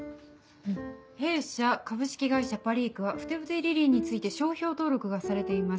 「弊社株式会社パリークは『ふてぶてリリイ』について商標登録がされています。